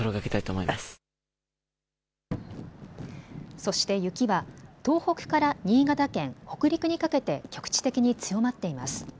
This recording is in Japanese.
そして雪は東北から新潟県、北陸にかけて局地的に強まっています。